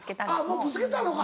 もうぶつけたのか。